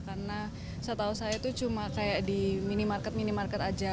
karena saya tahu saya itu cuma di minimarket minimarket saja